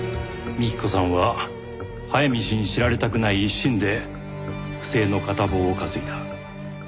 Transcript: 幹子さんは早見氏に知られたくない一心で不正の片棒を担いだ。